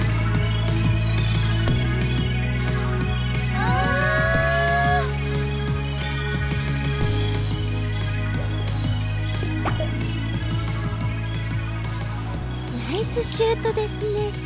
あ！ナイスシュートですね。